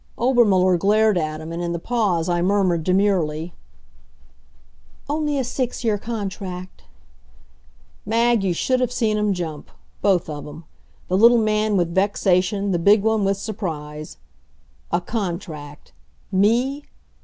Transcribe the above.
Obermuller glared at him, and in the pause I murmured demurely: "Only a six year contract." Mag, you should have seen 'em jump both of 'em; the little man with vexation, the big one with surprise. A contract! Me?